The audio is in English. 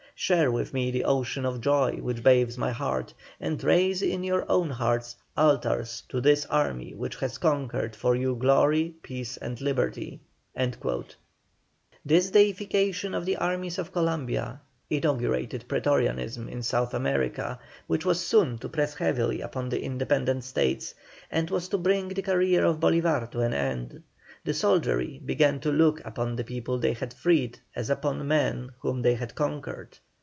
Share with me the ocean of joy which bathes my heart, and raise in your own hearts altars to this army which has conquered for you glory, peace, and liberty." The deification of the armies of Columbia inaugurated prætorianism in South America, which was soon to press heavily upon the independent States, and was to bring the career of Bolívar to an end. The soldiery began to look upon the people they had freed as upon men whom they had conquered.